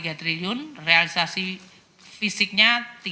rp dua tiga triliun realisasi fisiknya tiga belas lima